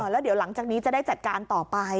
แล้วเดี๋ยวหลังจากนี้จะได้จัดการต่อไป